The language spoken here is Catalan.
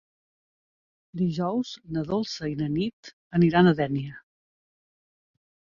Dijous na Dolça i na Nit aniran a Dénia.